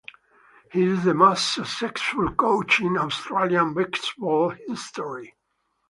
He is the most successful coach in Australian basketball history.